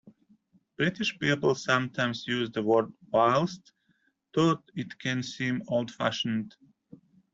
British people sometimes use the word whilst, though it can seem old fashioned